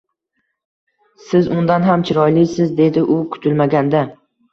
Siz undan ham chiroylisiz, dedi u kutilmaganda